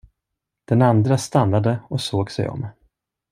Den andra stannade och såg sig om.